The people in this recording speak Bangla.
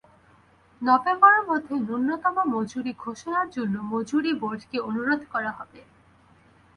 নভেম্বরের মধ্যে ন্যূনতম মজুরি ঘোষণার জন্য মজুরি বোর্ডকে অনুরোধ করা হবে।